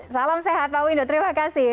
salam sehat pak windu terima kasih